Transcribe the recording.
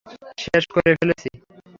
শেষ করে ফেলেছি।